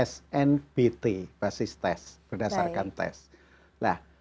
snbt basis test berdasarkan tes nah